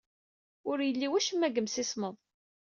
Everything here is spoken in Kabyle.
Ur yelli wacemma deg yemsismeḍ.